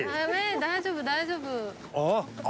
大丈夫大丈夫。